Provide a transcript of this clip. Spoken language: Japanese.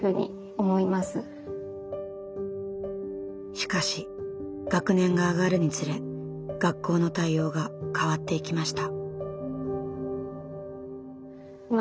しかし学年が上がるにつれ学校の対応が変わっていきました。